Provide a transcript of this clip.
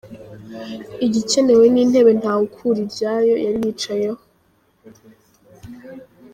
Igikenewe ni intebe Ntawukuriryayo yari yicayeho.